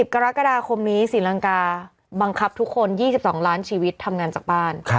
กรกฎาคมนี้ศรีลังกาบังคับทุกคน๒๒ล้านชีวิตทำงานจากบ้าน